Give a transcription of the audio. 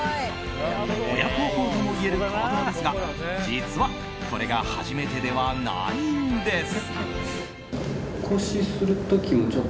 親孝行ともいえる行動ですが実はこれが初めてではないんです。